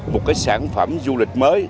một sản phẩm du lịch mới